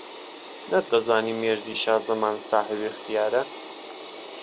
نەت دهزانی مێردی شازهمان ساحێب ئیختياره